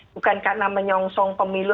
bukan karena menyongsong pemilu